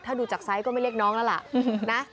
ถ้าดูจากไซส์ก็ไม่เรียกน้องแล้วล่ะนะ